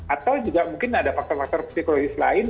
atau juga mungkin ada faktor faktor psikologis lain